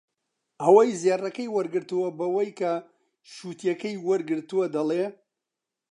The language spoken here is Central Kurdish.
ئەوەی زێڕەکەی وەرگرتووە بەوەی کە شووتییەکەی وەرگرتووە دەڵێ